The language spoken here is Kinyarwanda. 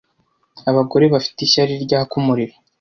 Abagore bafite ishyari ryaka umuriro